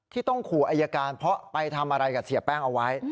ต้องขู่อายการเพราะไปทำอะไรกับเสียแป้งเอาไว้